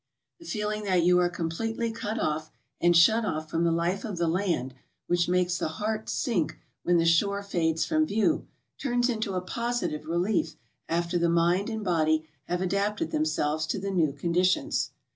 The feeling that you are completely cut off and shut off from the life of the land, which makes the heart 35 36 GOING ABROAD? sink when the shore lades from view, turns into a positive re lief after the mind and body have adapted themselves to the new conditions.